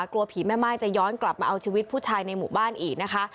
กลัวผีแม่ม่ายจะย้อนกลับมาเอาชีวิตผู้ชายในหมู่บ้านอีกนะคะ